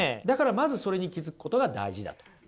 だからまずそれに気付くことが大事だと。